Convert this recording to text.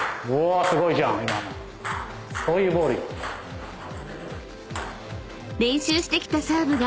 「そういうボールいい」